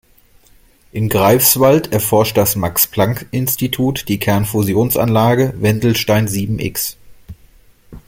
In Greifswald erforscht das Max-Planck-Institut die Kernfusionsanlage Wendelstein sieben-X.